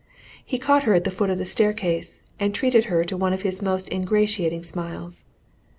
He caught her at the foot of the staircase, and treated her to one of his most ingratiating smiles.